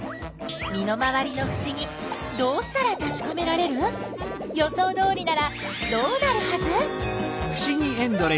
身の回りのふしぎどうしたらたしかめられる？予想どおりならどうなるはず？